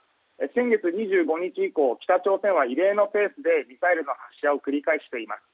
先月２５日以降北朝鮮は異例のペースでミサイルの発射を繰り返しています。